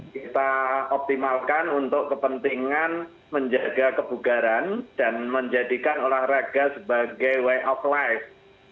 kita optimalkan untuk kepentingan menjaga kebugaran dan menjadikan olahraga sebagai way of life